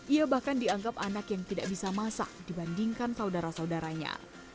ia bahkan dianggap anak yang tidak bisa masak dibandingkan saudara saudaranya